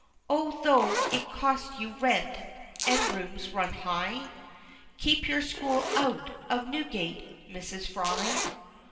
Oh, tho' it cost you rent (and rooms run high) Keep your school out of Newgate, Mrs. Fry!